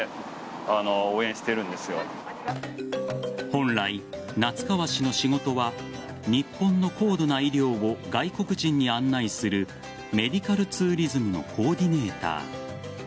本来、夏川氏の仕事は日本の高度な医療を外国人に案内するメディカルツーリズムのコーディネーター。